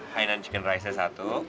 hinan chicken rice nya satu